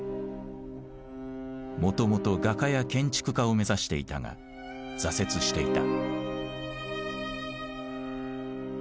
もともと画家や建築家を目指していたが挫折していた。